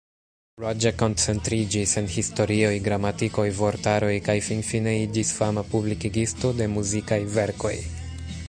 Roger koncentriĝis en historioj, gramatikoj, vortaroj kaj finfine iĝis fama publikigisto de muzikaj verkoj.